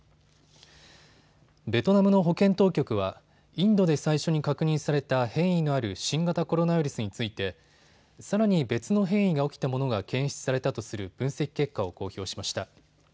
ベトナムの保健当局はインドで最初に確認された変異のある新型コロナウイルスについてさらに別の変異が起きたものが検出されたとする分析結果を公表しました。